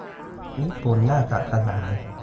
ญี่ปุ่น น่าจะขยาย